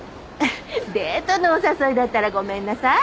デートのお誘いだったらごめんなさい。